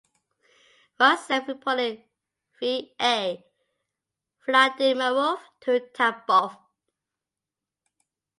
"Rus" sent reporter V. A. Vladimirov to Tambov.